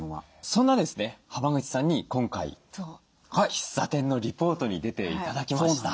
そんなですね濱口さんに今回喫茶店のリポートに出て頂きました。